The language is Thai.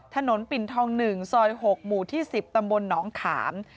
ถนนปิ่นทอง๑ซอย๖หมู่ที่๑๐ตำบลหนองขาม